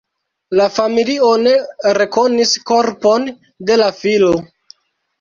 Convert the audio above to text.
La familio ne rekonis korpon de la filo.